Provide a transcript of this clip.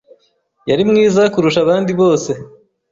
Yari mwiza kurusha abandi bose.